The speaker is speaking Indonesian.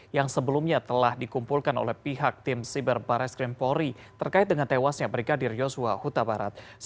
yang sebelumnya telah dikumpulkan oleh pihak tim siber barreskrimpori terkait dengan tewasnya brigadir yosua huta barat